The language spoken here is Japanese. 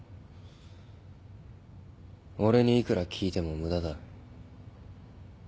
俺にいくら聞いても無駄だ。